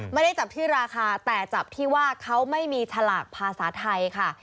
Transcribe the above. ไม่ได้จับที่ราคาแต่จับที่ว่าเขาไม่มีฉลากภาษาไทยค่ะ